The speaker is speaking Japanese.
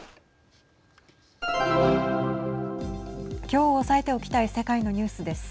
きょう押さえておきたい世界のニュースです。